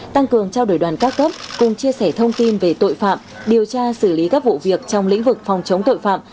tăng cường trao đổi đoàn các cấp cùng chia sẻ thông tin về tội phạm điều tra xử lý các vụ việc trong lĩnh vực phòng chống tội phạm